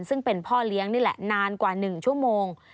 ซึ่งเป็นพ่อเลี้ยงนี่แหละนานกว่า๑ชั่วโมง